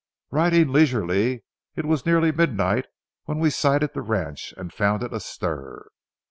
Riding leisurely, it was nearly midnight when we sighted the ranch and found it astir.